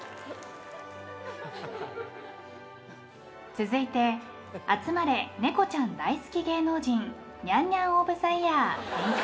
続いて集まれ猫ちゃん大好き芸能人ニャンニャンオブザイヤー返却。